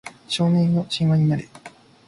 少年よ神話になれ